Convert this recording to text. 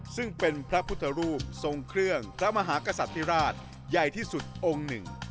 ซึ่งเป็นพระพุทธรูปทรงเครื่องพระมหากษัตริราชใหญ่ที่สุดองค์หนึ่ง